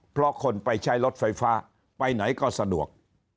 เพราะคนไปใช้รถไฟฟ้าไปไหนก็สะดวก